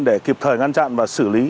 để kịp thời ngăn chặn và xử lý